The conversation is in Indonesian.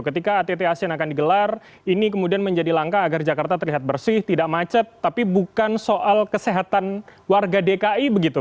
ketika att asean akan digelar ini kemudian menjadi langkah agar jakarta terlihat bersih tidak macet tapi bukan soal kesehatan warga dki begitu